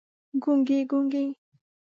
ګونګي، ګونګي